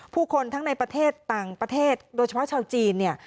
ผู้คนทั้งในประเทศต่างประเทศโดยเฉพาะชาวจีนเนี่ย